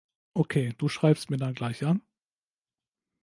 Okay, du schreibst mir dann gleich, ja?